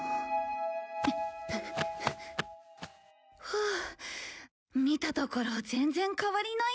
ふう見たところ全然変わりないや。